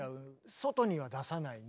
外には出さないね